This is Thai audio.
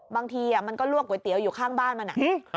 บางทีมันก็ลวกก๋วยเตี๋ยวอยู่ข้างบ้านมัน